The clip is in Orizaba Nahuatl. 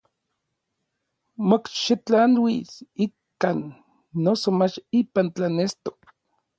Mokxitlanuis ikan noso mach ipan tlanestok.